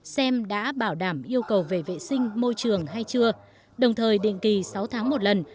xem đã bảo đảm yêu cầu về vệ sinh môi trường hay chưa đồng thời định kỳ sáu tháng một lần